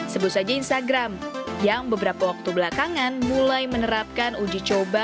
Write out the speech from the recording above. sebut saja instagram yang beberapa waktu belakangan mulai menerapkan uji coba